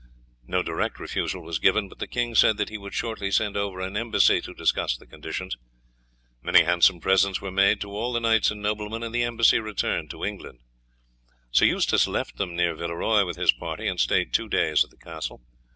No direct refusal was given, but the king said that he would shortly send over an embassy to discuss the conditions. Many handsome presents were made to all the knights and noblemen, and the embassy returned to England. Sir Eustace left them near Villeroy with his party, and stayed two days at the castle.